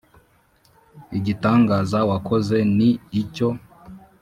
Igitangaza wakoze ni icyo.